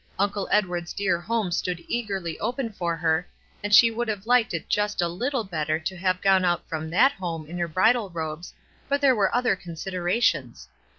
Uncle Edward's dear home stood eagerly open for her, and she would have liked it just a little better to have gone out from that home in her bridal robes, but there were other considerations.